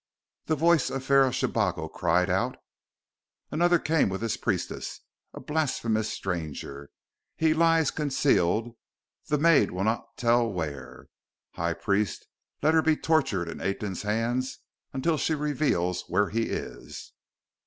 The voice of Pharaoh Shabako cried out: "Another came with this priestess a blasphemous stranger! He lies concealed; the maid will not tell where! High Priest, let her be tortured in Aten's hands until she reveals where he is!"